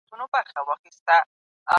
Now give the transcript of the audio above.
خوب د ارامۍ احساس پیدا کوي.